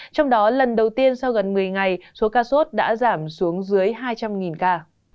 trong đó lần đầu tiên sau gần một mươi ngày số ca sốt đã giảm xuống dưới hai trăm linh ca